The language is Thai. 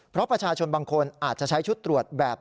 เพราะประชาชนบางคนอาจจะใช้ชุดตรวจแบบ